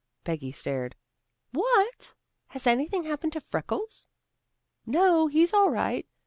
Peggy stared. "What! Has anything happened to Freckles?" "No, he's all right.